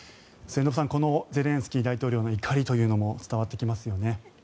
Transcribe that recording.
末延さんこのゼレンスキー大統領の怒りというのも伝わってきますよね。